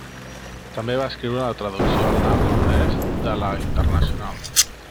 També va escriure la traducció al neerlandès de La Internacional.